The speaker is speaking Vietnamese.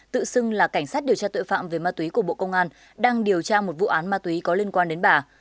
tự xưng là cảnh sát điều tra tội phạm về ma túy của bộ công an đang điều tra một vụ án ma túy có liên quan đến bà